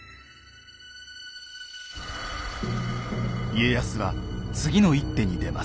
家康は次の一手に出ます。